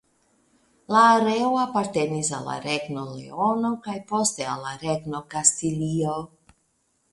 La areo apartenis al la Regno Leono kaj poste al la Regno Kastilio.